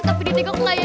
tapi ditengok ngelak ya